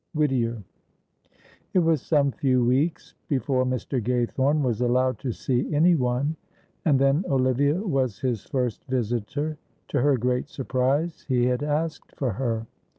Whittier. It was some few weeks before Mr. Gaythorne was allowed to see any one, and then Olivia was his first visitor. To her great surprise he had asked for her.